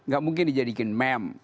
gak mungkin dijadikan meme